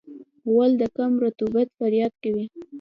غول د کم رطوبت فریاد کوي.